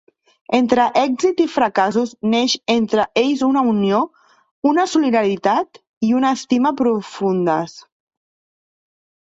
Entre èxits i fracassos, neix entre ells una unió, una solidaritat i una estima profundes.